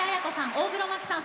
大黒摩季さん